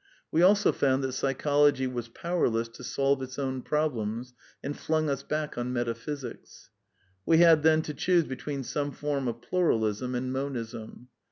We also found that Psychology was powerless to solve its own problems, and flung us back on Metaphysics. We had then to choose between some form of Pluralism and Monism.